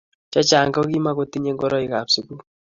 Chechang ko kimukotinyei ngoroikab sukul